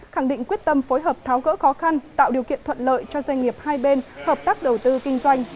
khẳng định quyết tâm phối hợp tháo gỡ khó khăn tạo điều kiện thuận lợi cho doanh nghiệp hai bên hợp tác đầu tư kinh doanh